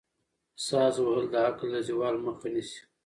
ساز وهل د عقل د زوال مخه نیسي.